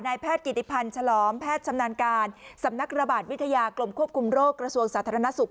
แพทย์กิติพันธ์ฉลอมแพทย์ชำนาญการสำนักระบาดวิทยากรมควบคุมโรคกระทรวงสาธารณสุข